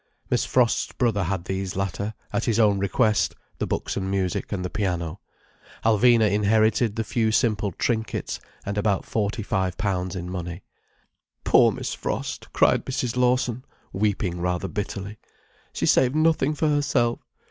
Miss Frost's brother had these latter, at his own request: the books and music, and the piano. Alvina inherited the few simple trinkets, and about forty five pounds in money. "Poor Miss Frost," cried Mrs. Lawson, weeping rather bitterly—"she saved nothing for herself.